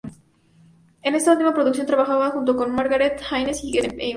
En esta última producción trabajaba junto a Margaret Hayes y Gene Evans.